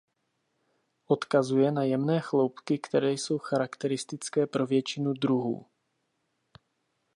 Odkazuje na jemné chloupky které jsou charakteristické pro většinu druhů.